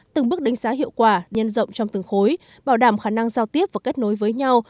từng bước đánh giá hiệu quả nhân rộng trong từng khối bảo đảm khả năng giao tiếp và kết nối với nhau